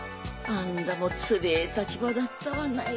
あんだもつれえ立場だったわない。